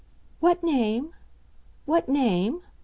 "What name? what name?"